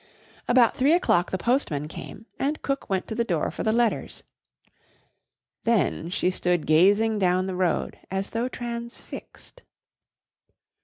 About three o'clock the postman came and cook went to the door for the letters. Then she stood gazing down the road as though transfixed.